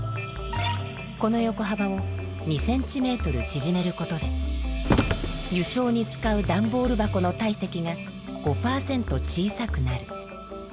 このよこはばを２ｃｍちぢめることで輸送に使う段ボール箱の体積が５％小さくなる。